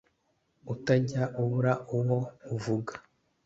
utajya ubura uwo uvuga